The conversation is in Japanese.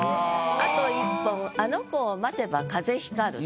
「あと一本あの子を待てば風光る」と。